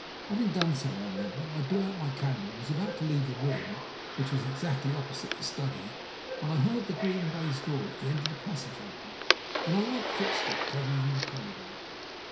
Having done so, however, I blew out my candle, and was about to leave the room, which was exactly opposite the study, when I heard the green baize door at the end of the passage open, and a light footstep come along the corridor.